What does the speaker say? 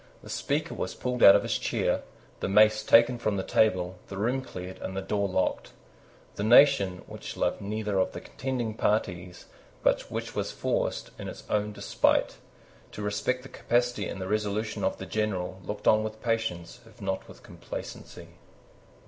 The Speaker was pulled out of his chair, the mace taken from the table, the room cleared, and the door locked. The nation, which loved neither of the contending parties, but which was forced, in its own despite, to respect the capacity and resolution of the General, looked on with patience, if not with complacency.